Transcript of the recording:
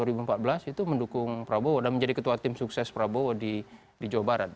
itu mendukung prabowo dan menjadi ketua tim sukses prabowo di jawa barat